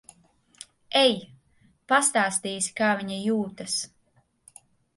Ej. Pastāstīsi, kā viņa jūtas.